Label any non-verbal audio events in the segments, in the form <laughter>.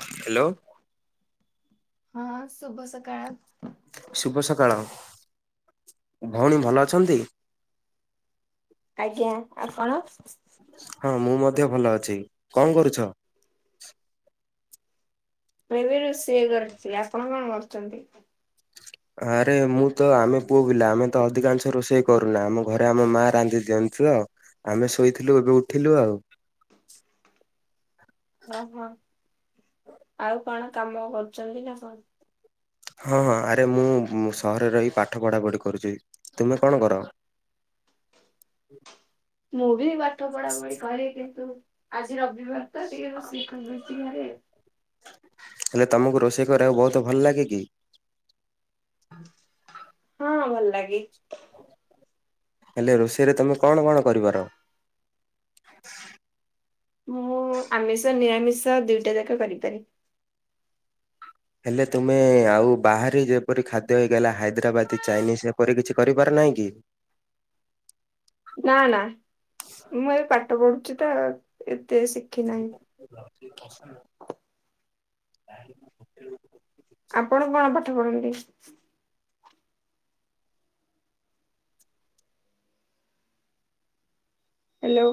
Hello. ହଁ ଶୁଭ ସକାଳ। ଶୁଭ ସକାଳ। ଭଉଣୀ ଭଲ ଅଛନ୍ତି? ଆଜ୍ଞା। ଆପଣ? ହଁ ମୁଁ ମଧ୍ୟ ଭଲ ଅଛି। କଣ କରୁଛ? ମୁଁ ଏବେ ରୋଷେଇ କରୁଚି। ଆପଣ କଣ କରୁଚନ୍ତି? ଆରେ ମୁଁ ତ ଆମେ ପୁଅ ପିଲା ଆମେ ତ ଅଧିକାଂଶ ରୋଷେଇ କରୁନା ଆମ ଘରେ ଆମ ମା ରାନ୍ଧି ଦିଅନ୍ତି। <unintelligible> ଆମେ ଶୋଇଥିଲୁ ଏବେ ଉଠିଲୁ ଆଉ। ଅଁ ହଁ ଆଉ କଣ କାମ କରୁଚନ୍ତି ନା କଣ? ହଁ ହଁ ଆରେ ମୁଁ ସହରରେ ରହି ପାଠ ପଢା ପଢ଼ି କରୁଚି। ତୁମେ କଣ କର? ମୁଁ ବି ପାଠ ପଢା ପଢି କରେ। କିନ୍ତୁ ଆଜି ରବିବାର ତ ଟିକେ ରୋଷେଇ କରିଦେଉଚି ଘରେ। ହେଲେ ତମକୁ ରୋଷେଇ କରିବାକୁ ବହୁତ ଭଲ ଲାଗେ କି? ହଁ ଭଲ ଲାଗେ। ହେଲେ ରୋଷେଇରେ ତୁମେ କଣ କଣ କରିପାର? ମୁଁ ଆମିଷ ନିରାମିଷ ଦିଇଟା ଯାକ କରିପାରେ। ହେଲେ ତୁମେ ଆଉ ବାହାରି ଯେପରି ଖାଦ୍ୟ ହେଇଗଲା ହାଇଦ୍ରାବାଦି ଚାଇନିଜ ଏପରି କିଛି କରିପାର ନାହିଁ କି? ନା ନା ମୁଁ ଏବେ ପାଠ ପଢୁଚି ତ ଏତେ ଶିଖି ନାହିଁ। <inaudible> ଆପଣ କଣ ପାଠ ପଢନ୍ତି? ହ୍ୟାଲୋ।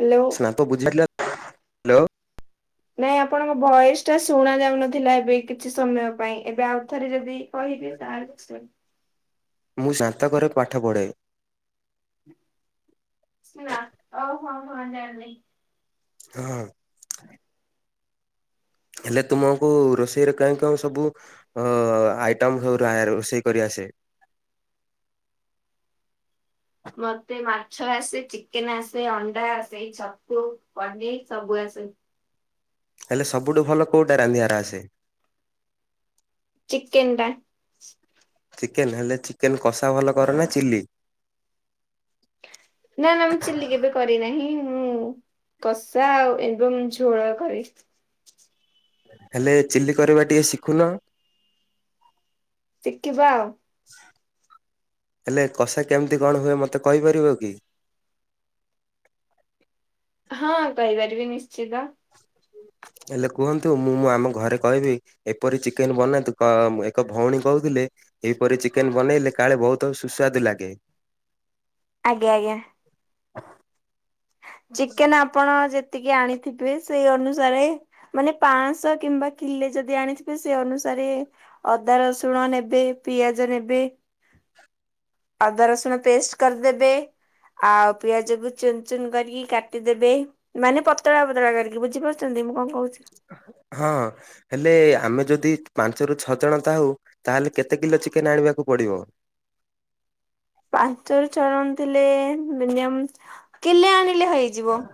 ହ୍ୟାଲୋ। <unintelligible> ହ୍ୟାଲୋ ନାଇଁ ଆପଣଙ୍କ ଭଏସଟା ଶୁଣା ଯାଉନଥିଲା ଏବେ କିଛି ସମୟ ପାଇଁ ଏବେ ଆଉଥରେ ଯଦି କହିବେ ତାହେଲେ ମୁଁ ସାନ୍ତକ ପାଠ ପଢ଼େ। ନା ଓ ହଁ ହଁ ଜାଣିଲି। ହଁ। ହେଲେ ତୁମକୁ ରୋଷେଇରେ କେଉ କେଉ ସବୁ ଓ ଆଇଟମ ସବୁ ରା ରୋଷେଇ କରି ଆସେ? ମତେ ମାଛ ଆସେ ଚିକେନ ଆସେ ଅଣ୍ଡା ଆସେ ଛତୁ ପନିର ସବୁ ଆସେ। ହେଲେ ସବୁଠୁ ଭଲ କଉଟା ରାନ୍ଧିବାର ଆସେ? ଚିକେନ ଟା। ଚିକେନ ହେଲେ ଚିକେନ କଷା ଭଲ କର ନା ଚିଲି? ନା ମୁଁ ଚିଲି କେବେ କରିନାହିଁ ମୁଁ କଷା ଆଉ ଏବମ୍ ଝୋଳ କରି। ହେଲେ ଚିଲି କରିବା ଟିକେ ଶିଖୁନ? ଶିଖିବା ଆଉ। ହେଲେ କଷା କେମିତି କଣ ହୁଏ ମତେ କହିପାରିବକି? ହଁ କହିପାରିବି ନିଶ୍ଚିତ। ହେଲେ କୁହନ୍ତୁ ମୁଁ ମୁଁ ଆମ ଘରେ କହିବି ଏପରି ଚିକେନ ବନାନ୍ତୁ କ ଏକ ଭଉଣୀ କହୁଥିଲେ ଏହିପରି ଚିକେନ୍ ବନେଇଲେ କାଳେ ବହୁତ୍ ସୁସ୍ୱାଦୁ ଲାଗେ। ଆଜ୍ଞା ଆଜ୍ଞା। ଚିକେନ୍ ଆପଣ ଯେତିକି ଆଣିଥିବେ ସେଇ ଅନୁସାରେ ମାନେ ପାଆଁଶହ କିମ୍ବା କିଲେ ଯଦି ଆଣିଥିବେ ସେଅନୁସାରେ ଅଦା ରସୁଣ ନେବେ ପିଆଜ ନେବେ ଆଦା ରସୁଣ ପେଷ୍ଟ କରିଦେବେ ଆଉ ପିଆଜକୁ ଚୁନ୍ ଚୁନ୍ କରିକି କାଟିଦେବେ ମାନେ ପତଳା ପତଳା କରିକି ବୁଝିପାରୁଚନ୍ତି ମୁଁ କଁ କହୁଚି? ହଁ। ହେଲେ ଆମେ ଯଦି ପାଞ୍ଚରୁ ଛଅ ଜଣ ଥାହୁ ତାହେଲେ କେତେ କିଲୋ ଚିକେନ୍ ଆଣିବାକୁ ପଡ଼ିବ? ପାଞ୍ଚରୁ ଛ ଜଣ ଥିଲେ ମିନିଅମ୍ କିଲେ ଆଣିଲେ ହେଇଯିବ।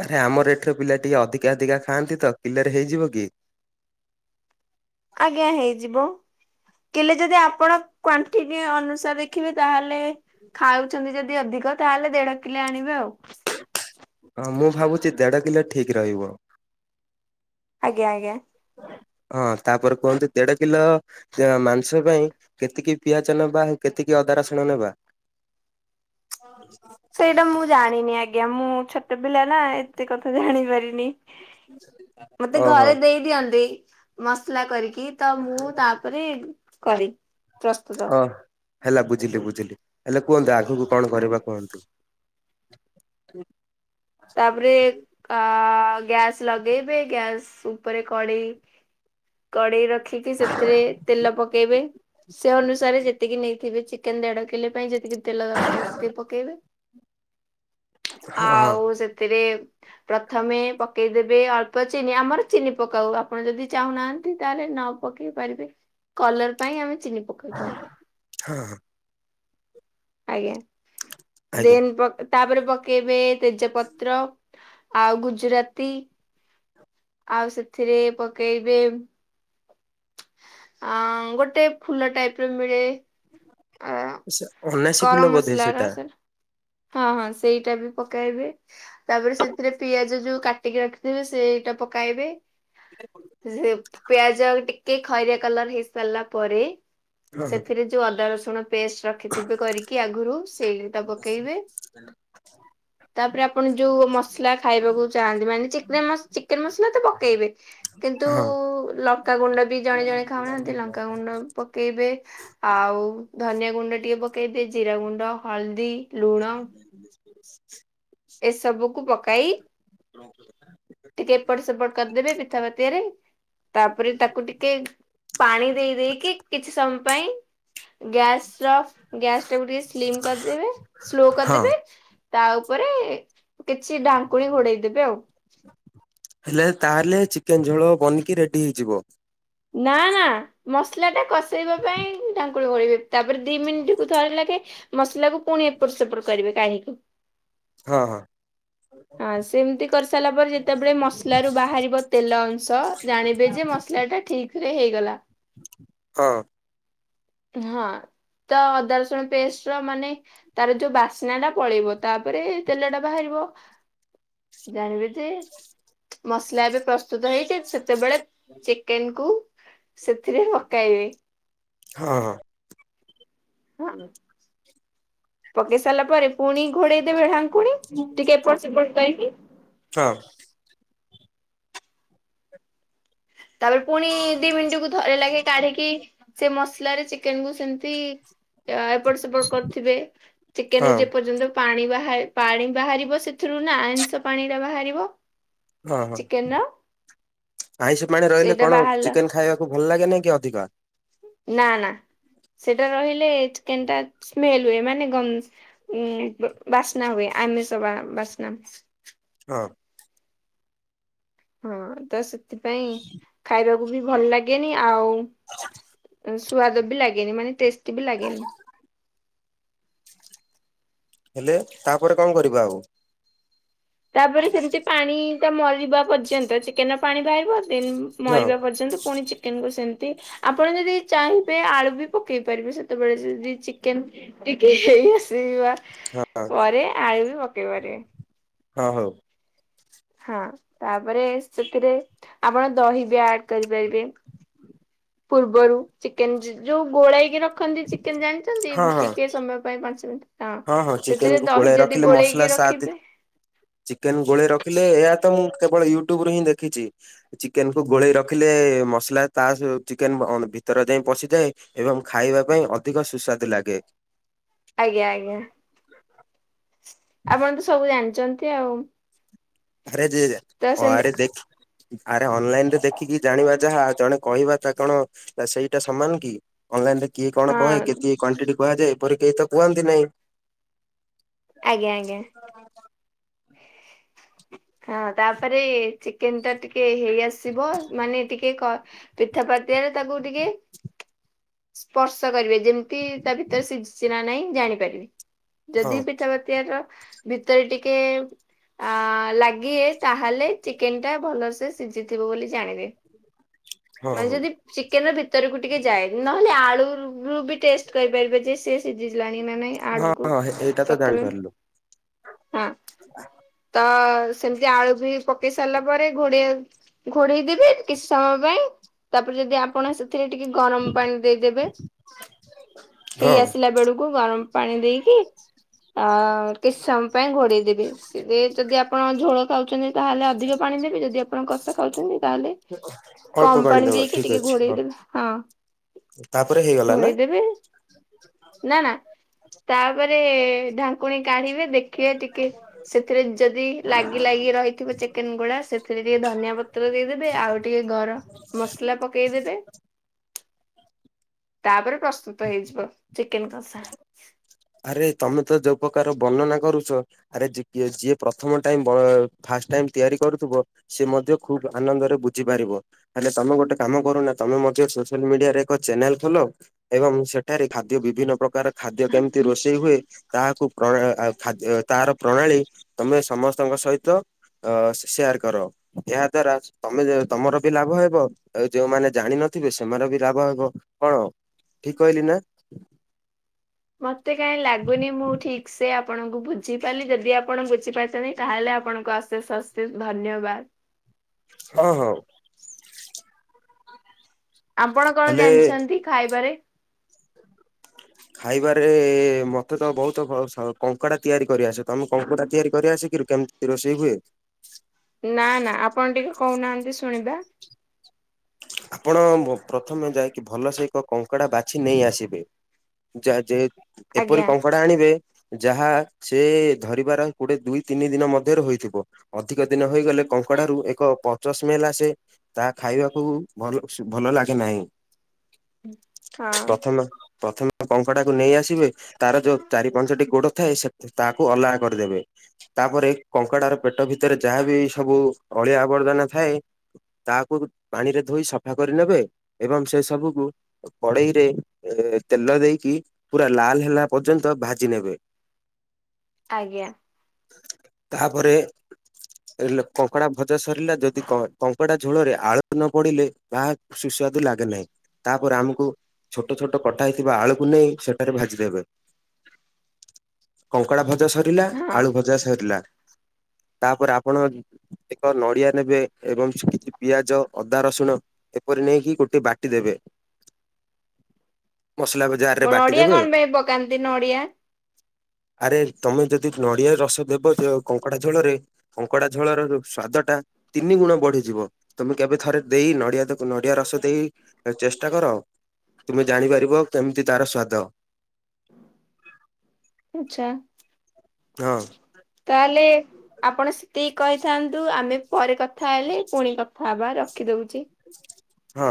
ଆରେ ଆମ ରେଟର ପିଲା ଟିକେ ଅଧିକା ଅଧିକା ଖାଆନ୍ତିତ କିଲେରେ ହେଇଯିବକି? ଆଜ୍ଞା ହେଇଯିବ କିଲେ ଯଦି ଆପଣ କ୍ୱାଟିନୁ ଅନୁସାରେ ଦେଖିବେ ତାହେଲେ ଖାଉଚନ୍ତି ଯଦି ଅଧିକ ତାହେଲେ ଦେଢ କିଲେ ଆଣିବେ ଆଉ। ହଁ ମୁଁ ଭାବୁଚି ଦେଢ କିଲୋ ଠିକ୍ ରହିବ। ଆଜ୍ଞା ଆଜ୍ଞା। ହଁ ତାପରେ କୁହନ୍ତୁ ଦେଢ କିଲୋ ଯ ମାଂସ ପାଇଁ କେତିକି ପିଆଜ ନେବା ଆଉ କେତିକି ଅଦା ରସୁଣ ନେବା? ହଁ <unintelligible> ସେଇଟା ମୁଁ ଜାଣିନି ଆଜ୍ଞା ମୁଁ ଛୋଟ ପିଲାନା ଏତେ କଥା ଜାଣି ପାରିନି। ମତେ ଓହୋ ଘରେ ଦେଇ ଦିଅନ୍ତି ମସଲା କରିକି ତ ମୁଁ ତାପରେ କରି ପ୍ରସ୍ତୁତ ଓ ହେଲା ବୁଝିଲି ବୁଝିଲି ହେଲେ କୁହନ୍ତୁ ଆଗକୁ କଣ କରିବା କୁହନ୍ତୁ? ତାପରେ ଆ ଗ୍ୟାସ୍ ଲଗେଇବେ ଗ୍ୟାସ ଉପରେ କଡ଼େଇ କଡ଼େଇ ରଖିକି ସେଥିରେ ତେଲ ପକେଇବେ ସେ ଅନୁସାରେ ଯେତିକି ନେଇଥିବେ ଚି ଚିକେନ୍ ଦେଢ଼କିଲେ ପାଇଁ ଯେତିକି ତେଲ ଦରକାର୍ ସେତିକି ପକେଇବେ ହଁ ହଁ ଆଉ ସେଥିରେ ପ୍ରଥମେ ପକେଇଦେବେ ଅଳ୍ପ ଚିନି ଆମର ଚିନି ପକାଉ ଆପଣ ଯଦି ଚାହୁଁନାହାନ୍ତି ତାହେଲେ ନ ପକେଇ ପାରିବେ କଲର୍ ପାଇଁ ଆମେ ଚିନି ପକେଇଥାଉ। ହଁ ହଁ। ଆଜ୍ଞା ଆଜ୍ଞା ଦେନ୍ ପକ୍ ତାପରେ ପକେଇବେ ତେଜପତ୍ର ଆଉ ଗୁଜୁରାତି ଆଉ ସେଥିରେ ପକେଇବେ ଆଁ ଗୋଟେ ଫୁଲ ଟାଇପର ମିଳେ ଆ, ସା ଅନାସୀ ଗରମ ଫୁଲ ବୋଧେ ମସଲା ର ସେଟା। ହଁ ହଁ ସେଇଟାବି ପକାଇବେ ତାପରେ ସେଥିରେ ପିଆଜ ଯୋଉ କା ଟିକି ରଖିଥିବେ ସେଇଟା ପକାଇବେ ସେପିଆଜ ଆଉ ଟିକ୍ କେ ଖରିଆ କଲର ହେଇ ସାରିଲା ପରେ ହଁ ହଁ ସେଥିରେ ଯୋଉ ଅଦା ରସୁଣ ପେଷ୍ଟ ରଖିଥିବେ କରିକି ଆଗରୁ ସେଇଟା ପ <inaudible> ତାପରେ ଆପଣ ଯୋଉ ମସଲା ଖାଇବାକୁ ଚାହାନ୍ତି ମାନେ ଚିକ୍ନେ ମସ୍ ଚିକେନ ମସଲା ତ ପକେଇବେ କିନ୍ତୁ ହଁ ଲଙ୍କାଗୁଣ୍ଡ ବି ଜଣେ ଜଣେ ଖାଉନାହାନ୍ତି ଲଙ୍କାଗୁଣ୍ଡ ପ ପକେଇବେ ଆଉ ଧନିଆ ଗୁଣ୍ଡ ଟିକେ ପକେଇବେ ଜିରା ଗୁଣ୍ଡ ହଳଦୀ ଲୁଣ <unintelligible> ଏସବୁ କୁୁ ପକାଇ ଟିକେ ଏପଟ ସେପଟ କରିଦେବେ ପିଠା ପାତିଆରେ ତାପରେ ତାକୁ ଟିକେ ପାଣି ଦେଇ ଦେଇକି କିଛି ସମୟ ପାଇଁ ଗ୍ୟାସ୍ ର ଗ୍ୟାସ୍ ଟାକୁ ଟିକେ ସ୍ଲିମ କରିଦେବେ ସ୍ଲୋ ହଁ। କରିଦେବେ ତା ଉପରେ କିଛି ଢ଼ାଙ୍କୁଳି ଘୋଡେଇ ଦେବେ ଆଉ ହେଲେ ତାହେଲେ ଚିକେନ ଝୋଳ ବନିକି ରେଡି ହେଇଯିବ ନା ନା ମସଲା ଟା କଷେଇବା ପାଇଁ ଢାଙ୍କୁଳି ଗଳେଇବେ ତାପରେ ଦି ମିନିଟ କୁ ଥର ଲେଖେ ମସଲା କୁ ପୁଣି ଏପଟ ସେପଟ କରିବେ କାଢିକି ହଁ ହଁ ହଁ ସେମିତି କରି ସାରିଲା ପରେ ଯେତେବେଳେ ମସଲା ରୁ ବାହାରିବ ତେଲ ଅଂଶ ଜାଣିବେ ଯେ ଟା ଠିକରେ ହେଇଗଲା ହଁ ହଁ ତ ଅଦା ରସୁଣ ପେଷ୍ଟ୍ ର ମାନେ ତାର ଯୋଉ ବାସ୍ନା ଟା ପଳେଇବ ତାପରେ ତେଲ ଟା ବାହାରିବ ଜାଣିବି ଯେ ମସଲା ଏବେ ପ୍ରସ୍ତୁତ ହେଇଛି ସେତେବେଳେ <unintelligible> ଚିକେନ୍ କୁ ସେଥିରେ ପକାଇବେ ହଁ ହଁ ପକେଇ ସାରିଲା ପରେ ପୁଣି ଘୋଡେଇ ଦେବେ ଢାଙ୍କ ଙ୍କୁଣି ଟିକେ ଏପଟ ସେପଟ ପାଇକି ହଁ ତାପରେ ପୁଣି ଦି ମିନିଟ କୁ ଥରେ ଲେଖେ କାଢିକି ସେ ମସଲା ରେ ଚିକେନ କୁ ସେମତି ଏପଟ ସେପଟ କରିଥିବେ ଚିକେନ ହଁ କୁ ଯେପର୍ଯ୍ୟନ୍ତ ପାଣି ବା ପାଣି ବାହାରିବ ସେଥିରୁ ନା ଆଇଁଷ ପାଣି ଟା ବାହାରିବ ହଁ ହଁ ଚିକେନ ର ଆଇଁଷ ପାଣି ରହିଲେ ସେଇଟା କଣଉ ବାହାରିଲା ଚିକେନ ଖାଇବା ତା ଭଲ ଲାଗେ ନାଇଁ କି ଅଧିକା ନା ନା ସେଟା ରହିଲେ ଚିକେନ୍ ଟା ସ୍ମେଲ ହୁଏ ମାନେ ଗ ଉଁ ବାସ୍ନା ହୁଏ ଆମିଷ ବାସ୍ନା ହଁ ହଁ ତ ସେଥିପାଇଁ ଖାଇବାକୁ ବି ଭଲ ଲାଗେନି ଆଉ ସୁ୍ୱାଦ ବି ଲାଗେନି ମାନେ ଟେଷ୍ଟି ବି ଲାଗେନି ହେଲେ ତାପରେ କଣ କରିବା ଆଉ ତାପରେ ସେମିତି ପାଣି ତ ମରିବ ପର୍ଯ୍ୟନ୍ତ ଚିକେନ ର ପାଣି ବାହାରିବ ଦେନ୍ ହଁ ମରିବା ପର୍ଯ୍ୟନ୍ତ ଚିକେ ଚିକେନ୍ କୁ ସେମତି ଆପଣ ଯଦି ଚାହିଁବେ ଆଳୁ ବି ପକେଇ ପାରିବେ ସେତେବେଳେ ଯଦି ଚିକେନ୍ ଟିକେ ହେଇ ଆସିବା ହଁ ପରେ ଆଳୁ ବି ପକେଇ ପାରିବେ ହଁ ହଉ ହଁ ତାପରେ ସେଥିରେ ଆପଣ ଦହି ବି ଆଡ୍ କରିପାରିବେ ପୂର୍ବରୁ ଚିକେନ ଯୋଉ ଗୋଳେଇକିନା ରଖନ୍ତି ଚିକେନ ଜାଣିଛନ୍ତି ହଁ ହଁ ଟିକେ ସମୟ ପାଇଁ ପାଞ୍ଚ ମିନିଟ। ହଁ ହଁ ଚିକେନ ସେଥିରେ କୁ ଦହି ଗୋଳାଇ ଯଦି ରଖିଲେ ମସଲା ଗୋଳେଇକି ସାଦ ରଖିବେ ଚିକେନ ଗୋଳେଇ ରଖିଲେ ଏହା ତ ମୁଁ କେବଳ ୟୁଟ୍ୟୁବ ରୁ ହିଁ ଦେଖିଛି। ଚିକେନକୁୁ ଗୋଳେଇ ରଖିଲେ ମସଲା ତା ଚିକେନ ଭିତର ଯାଏ ପଶିଯାଏ। ଏବଂ ଖାଇବା ପାଇଁ ଅଧିକ ସୁସ୍ୱାଦ ଲାଗେ। ଆଜ୍ଞା ଆଜ୍ଞା। ଆପଣ ତ ସବୁ ଜାଣିଛନ୍ତି ଆଉ। ଆରେ ଯେ ତ ଓ ସେମିତି ଆରେ ଦେଖି ଆରେ ଅନଲାଇନ ରେ ଦେଖିକି ଜାଣିବା ଯାହା ଜଣେ କହିବା ତା କଣ ସେଇଟା ସମାନ କି? ଅନଲାଇନ ରେ କିଏ କଣ ହଁ କହେ କେଏ କ୍ଵଣ୍ଟି କୁହାଯାଏ ଏପରି କେହି ତ କୁହନ୍ତି ନାହିଁ। ଆଜ୍ଞା ଆଜ୍ଞା। ହଁ ତାପରେ ଚିକେନ ଟା ଟିକେ ହେଇ ଆସ ଆସିବ ମାନେ ଟିକେ କ ପିଠାପତିଆରେ ତାକୁ ଟିକେ ସ୍ପର୍ଶ କରିବେ ଯେମିତି ତା ଭିତରେ ସିଝିଛି ନା ନାହିଁ ଜାଣିପାରିବି ହଁ ଯଦି ପିଠା ପାତି ତିଆର ଭିତରେ ଟିକେ ଆ ଲାଗେ ତାହେଲେ ଚିକେନ ଟା ଭଲସେ ସିଝିଥିବ ବୋଲି ଜାଣିବେ। ହଁ। ମାନେ ହଉ। ଯଦି ଚିକେନ ର ଭିତରକୁ ଟିକେ ଯାଏ ନହେଲେ ଆଳୁରୁ ବି ଟେଷ୍ଟ କରିପାରିବେ ଯେ ସେ ସିଝିଲାଣି ନା ନାହିଁ ହଁ ଆଗ୍ ହଁ ଏଇଟା ତ ଜାଣିପାରିଲୁ। ହଁ ହ <unintelligible> ତ ସେମିତି ଆଳୁ ବି ପକେଇ ସାରିଲା ପରେ ଘୋଡିଆ ଘୋଡେଇ ଦେବେ କିଛି ସମୟ ପାଇଁ ତାପରେ ଯଦି ଆପଣ ଏଥିରେ ଟିକେ ଗରମ ପାଣି ଦେଇଦେବେ ହେଇ ହଁ ଆସିଲା ବେଳକୁ ଗରମ ପାଣି ଦେଇକି ଆ କିଛି ସମୟ ପାଇଁ ଘୋଡେଇଦବେ। ତେବେ ଯଦି ଆପଣ ଝୋଳ ଖାଉଛନ୍ତି ତାହେଲେ ଅଧିକ ପାଣି ଦେବେ ଯଦି ଆପଣ କଷା ଖାଉଛନ୍ତି ତାହେଲେ ଅଳ୍ପ କମ ପାଣି ଦବ ଦେଇକି ଠିକ ଟିକେ ଅଛି ଘୋଡେଇଦବେ ହଁ। ତାପରେ ହେଇଗଲା ନା ଘୋଡେଇ ଦେବେ ନା ନା ତାପରେ ଢାଙ୍କୁଣୀ କାଢିବେ ଦେଖିବେ ଟିକେ ସେଥିରେ ଯଦି ଲାଗି ଲାଗି ରହିଥିବ। ଚିକେ ଗୋଳା ସେଥିରେ ଟିକେ ଧନିଆ ପତ୍ର ଦେଇଦେବେ ଆଉ ଟିକେ ଗରମ ମସଲା ପକେଇଦବେ। <unintelligible> ତାପରେ ପ୍ରସ୍ତୁତ ହେଇଯିବ ଚିକେନ କଷା। ଆରେ ତମେ ତ ଯୋଉ ପ୍ରକାର ବର୍ଣ୍ଣନା କରୁଛ ଆରେ ଯିଏ ପ୍ରଥମ ଟାଇମ ଫାଷ୍ଟ ଟାଇମ ତିଆରି କରୁଥିବ ସେ ମଧ୍ୟ ଖୁବ ଆନନ୍ଦରେ ବୁଝି ପାରିବ। ହେଲେ ତମେ ଗୋଟେ କାମ କରୁନା ତମେ ମଧ୍ୟ ସୋସିଆଲ ମିଡିଆରେ ଏକ ଚ୍ୟାନେଲ ଖୋଲ ଏବଂ ସେଠାରେ ଖାଦ୍ୟ ବିଭିନ୍ନ ପ୍ରକାର ଖାଦ୍ୟ କେମିତି ରୋଷେଇ ହୁଏ ତାହାକୁ ପ୍ରଣୟ ଖାଦ୍ୟ ତାର ପ୍ରଣାଳୀ ତମେ ସମସ୍ତଙ୍କ ସହିତ ଅ ସେୟାର କର ଏହା ଦ୍ଵାରା ତମେ ତମର ବି ଲାଭ ହେବ। ଆଉ ଯୋଉମାନେ ଜାଣିିନଥିବେ ସେମାନେ ବି ଲାଭ ହେବ କଣ ଠିକ କହିଲି ନା? ମତେ କାହିଁ ଲାଗୁନି ମୁଁ ଠିକ ସେ ଆପଣଙ୍କୁ ବୁଝିପାରିଲି ଯଦି ଆପଣ ବୁଝିପାରିଛନ୍ତି ତାହେଲେ ଆପଣଙ୍କୁ ଅଶେଷ ଅଶେଷ ଧନ୍ୟବାଦ। ହଁ ହଉ। ଆପଣ କଣ ହେଲେ ଜାଣିଛନ୍ତି ଖାଇବାରେ? ଖାଇବାରେ ମତେ ତ ବହୁତ କଙ୍କଡ଼ା ତିଆରି କରିଆସେ ତମେ କଙ୍କଡ଼ା ତିଆରି କରିଆସି <unintelligible> ରୋଷେଇ ହୁଏ। ନା ନା ଆପଣ ଟିକେ କହୁନାହାନ୍ତି ଶୁଣିବା। ଆପଣ ପ୍ରଥମେ ଯାଇକି ଭଲସେ ଏକ କଙ୍କଡା ବାଛି ନେଇ ଆସିବେ। ଯା ଯେ ଏପରି ଆଜ୍ଞା କଙ୍କ୍ କଙ୍କଡା ଆଣିବେ ଯାହା ସେ ଧରିବାର ଗୋଟେ ଦୁଇ ତିନି ଦିନ ମଧ୍ୟର ହୋଇଥିବ। ଅଧିକ ଦିନ ହୋଇଗଲେ କଙ୍କଡାରୁ ଏକ ପଚ ସ୍ମେଲ ଆସେ ତାହା ଖାଇବାକୁ ଭଲ ଭଲ ଲାଗେ ନାହିଁ। ହଁ। ପ୍ରଥମ ପ୍ରଥମେ କଙ୍କଡା କୁ ନେଇ ଆସିବେ ତାର ଯୋଉ ଚାରି ପାଞ୍ଚଟି ଗୋଡ ଥାଏ ସେ ତାକୁ ଅଲଗା କରିଦେବେ। ତାପରେ କଙ୍କଡାର ପେଟ ଭିତରେ ଯାହାବି ସବୁ ଅଳିଆ ଆବର୍ଜନା ଥାଏ ତାହାକୁ ପାଣିରେ ଧୋଇ ସଫା କରିନେବେ ଏବଂ ସେ ସବୁକୁ କଡେଇରେ ତେଲ ଦେଇକି ପୁରା ଲାଲ ହେଲା ପର୍ଯ୍ୟନ୍ତ ଭାଜି ନେବେ। <unintelligible> ଆଜ୍ଞା। ତାହା ପରେ କଙ୍କଡା ଭଜା ସରିଲା ଯଦି କଙ୍କଡା ଝୋଳରେ ଆଳୁ ନ ପଡିଲେ <unintelligible> ସୁସ୍ୱାଦୁ ଲାଗେ ନାହିଁ ତାପରେ ଆମକୁ ଛୋଟ ଛୋଟ କଟା ହେଇଥିବା ଆଳୁକୁ ନେଇ ସେଠାରେ ଭାଜିନେବେ। କଙ୍କଡା ଭଜା ସରିଲା ଆଳୁ ହଁ ଭଜା ସରିଲା। ତାପରେ ଆପଣ ଏକ ନଡ଼ିଆ ନେବେ ଏବଂ <unintelligible> କିଛି ପିଆଜ ଅଦା ରସୁଣ ଏପରି ନେଇକି <unintelligible> ବାଟି ଦେବେ ମସଲା ଜାରରେ ବାଟି ନଡିଆ ଦେବେ କଣ ପାଇଁ ପକାନ୍ତି ନଡିଆ? ଆରେ ତମେ ଯଦି ନଡିଆ ରସ ଦେବ ଯେ କଙ୍କଡା ଝୋଳରେ କଙ୍କଡା ଝୋଳର <unintelligible> ସ୍ଵାଦ ଟା ତିନି ଗୁଣ ବଢିଯିବ। ତମେ କେବେ ଥରେ ଦେଇ ନଡିଆ ନଡିଆ ରସ ଦେଇ ଚେଷ୍ଟା କର। ତୁମେ ଜାଣିପାରିବ କେମତି ତାର ସ୍ଵାଦ। ଆଚ୍ଛା। ହଁ। କାହାଲେ ଆପଣ ସେତିକି କହିଥାନ୍ତୁ ଆମେ ପରେ କଥା ହେଲେ ପୁଣି କଥା ହବା ରଖିଦଉଚି। ହଁ।